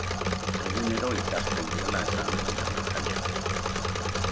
Egunero ikasten duela esan du entrenatzaileak.